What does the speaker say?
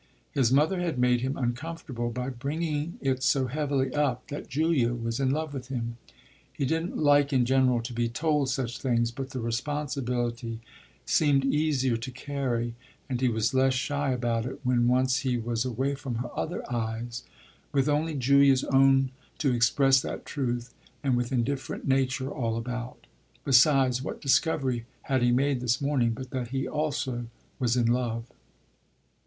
His mother had made him uncomfortable by bringing it so heavily up that Julia was in love with him he didn't like in general to be told such things; but the responsibility seemed easier to carry and he was less shy about it when once he was away from other eyes, with only Julia's own to express that truth and with indifferent nature all about. Besides, what discovery had he made this morning but that he also was in love?